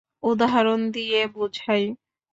উদাহরণ দিয়ে বুঝাই।